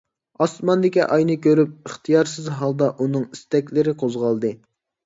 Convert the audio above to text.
ئاسماندىكى ئاينى كۆرۈپ ئىختىيارسىز ھالدا ئۇنىڭ ئىستەكلىرى قوزغالدى.